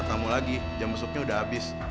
kamu lagi jam besoknya udah abis